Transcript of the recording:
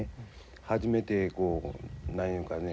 初めてこう何いうんかね